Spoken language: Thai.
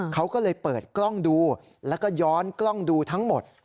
เขาก็เลยเปิดกล้องดูแล้วก็ย้อนกล้องดูทั้งหมด